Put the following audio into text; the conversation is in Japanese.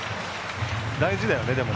大事だよね。